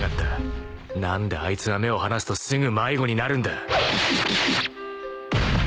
［何であいつは目を離すとすぐ迷子になるんだ］